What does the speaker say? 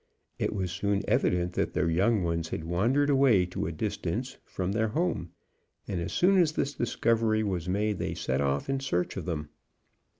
It was soon evident that their young ones had wandered away to a distance from their home, and as soon as this discovery was made they set off in search of them.